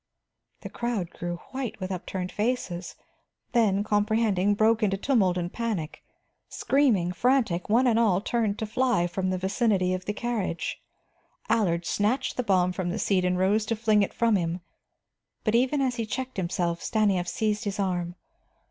The crowd grew white with upturned faces; then, comprehending, broke into tumult and panic. Screaming, frantic, one and all turned to fly from the vicinity of the carriage. Allard snatched the bomb from the seat and rose to fling it from him, but even as he checked himself, Stanief seized his arm.